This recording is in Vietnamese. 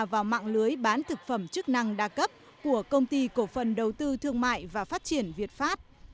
vào mạng lưới bán thực phẩm chức năng đa cấp của công ty cổ phần đầu tư thương mại và phát triển việt pháp